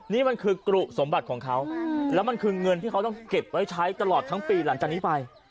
นี่มันคือกรุสมบัติของเขาแล้วมันคือเงินที่เขาต้องเก็บไว้ใช้ตลอดทั้งปีหลังจากนี้ไป